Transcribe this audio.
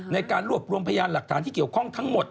ในการรวบรวมพยานหลักฐานที่เกี่ยวข้องทั้งหมด